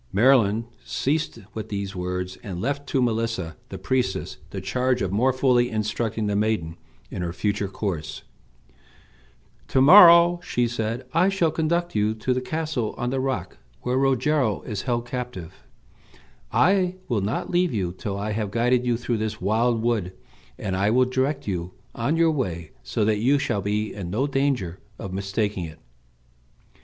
Merlin ceased with these words, and left to Melissa, the priestess, the charge of more fully instructing the maiden in her future course. "To morrow," said she, "I will conduct you to the castle on the rock where Rogero is held captive. I will not leave you till I have guided you through this wild wood, and I will direct you on your way so that you shall be in no danger of mistaking it."